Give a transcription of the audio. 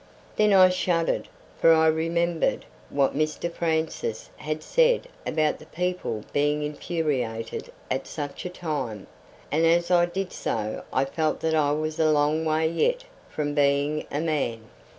Then I shuddered, for I remembered what Mr Francis had said about the people being infuriated at such a time, and as I did so I felt that I was a long way yet from being a man.